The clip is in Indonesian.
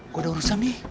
gue udah urusan nih